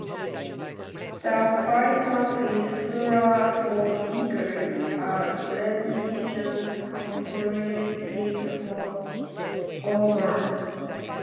The fight song is Hoorah for Eagles a rendition of Hooray for Auburn!!